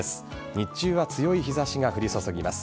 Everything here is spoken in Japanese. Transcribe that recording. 日中は強い日差しが降り注ぎます。